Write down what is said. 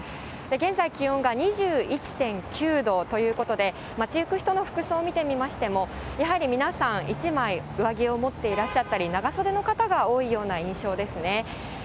現在、気温が２１．９度ということで、待ち行く人の服装を見てみましても、やはり皆さん、１枚上着を持っていらっしゃったり、長袖の方が多いような印象ですね。